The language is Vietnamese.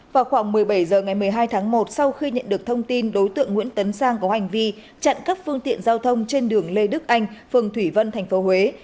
vào khoảng một mươi bảy h ngày một mươi hai tháng một sau khi nhận được thông tin đối tượng nguyễn tấn sang có hành vi chặn các phương tiện giao thông trên đường lê đức anh phường thủy vân tp huế